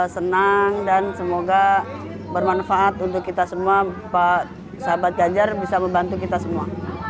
senang dan semoga bermanfaat untuk kita semua pak sahabat ganjar bisa membantu kita semua